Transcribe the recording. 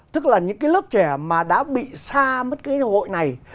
tức là những cái lớp trẻ mà đã bị xa mất cái hiệp hội này